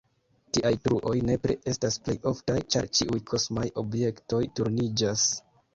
Tiaj truoj nepre estas plej oftaj, ĉar ĉiuj kosmaj objektoj turniĝas.